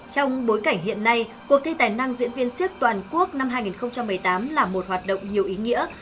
trong bối cảnh hiện nay cuộc thi tài năng diễn viên siếc toàn quốc năm hai nghìn một mươi tám là một hoạt động nhiều ý nghĩa